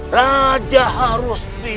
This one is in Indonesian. raja harus berhutang